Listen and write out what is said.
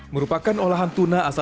merupakan olahan tuna asal